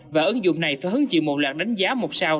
và ứng dụng này phải hứng chịu một loạt đánh giá một sao